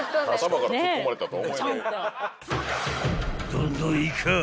［どんどんいかぁ！］